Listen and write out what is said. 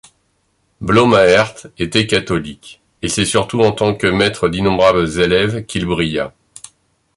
Bloemaert était catholique, et c'est surtout en tant que maître d’innombrables élèves qu'il brilla.